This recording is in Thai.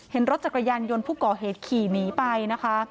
เห็นรถจักรยานยนต์ผู้ก่อเหตุขี่หนีไปนะคะ